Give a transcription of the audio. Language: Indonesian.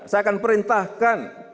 saya akan perintahkan